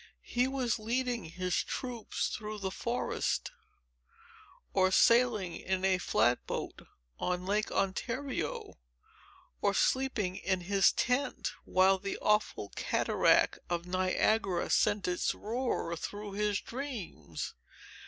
He was loading his troops through the forest, or sailing in a flat boat on Lake Ontario, or sleeping in his tent, while the awful cataract of Niagara sent its roar through his dreams.